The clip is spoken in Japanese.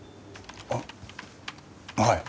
あっはい。